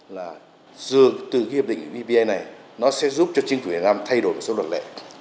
là dựa từ ghi hợp định của ppa này nó sẽ giúp cho chính phủ việt nam thay đổi một số luật lệ